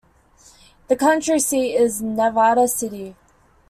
The county seat is Nevada City.